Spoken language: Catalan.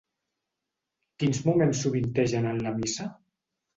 Quins moments sovintegen en la missa?